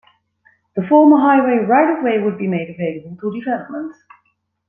The former highway right of way would be made available to development.